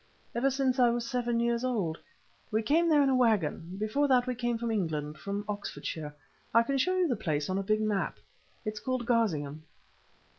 "Ever since I was seven years old. We came there in a waggon. Before that we came from England—from Oxfordshire; I can show you the place on a big map. It is called Garsingham."